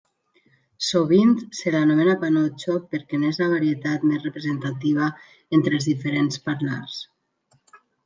Sovint se l'anomena panotxo perquè n'és la varietat més representativa entre els diferents parlars.